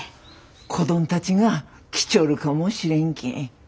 子どんたちが来ちょるかもしれんけん。